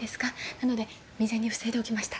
なので未然に防いでおきました。